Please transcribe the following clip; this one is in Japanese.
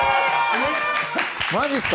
マジすか？